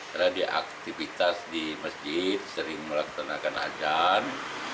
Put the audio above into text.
terhadap aktivitas di masjid sering melaksanakan azan